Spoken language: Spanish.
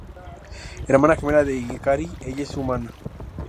Hermana gemela de Hikari, ella es humana.